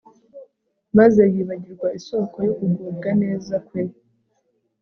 maze yibagirwa isoko yo kugubwa neza kwe